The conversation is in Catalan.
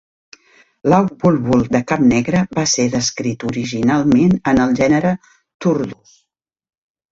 L'au bulbul de cap negre va ser descrit originalment en el gènere "Turdus".